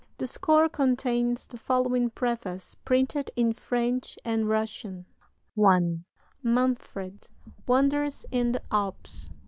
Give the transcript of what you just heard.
The score contains the following preface, printed in French and Russian: "I. Manfred wanders in the Alps.